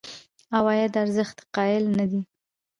عوایدو ارزښت قایل نه دي.